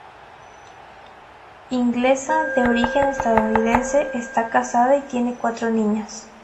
Inglesa de origen estadounidense, está casada y tiene cuatro niñas.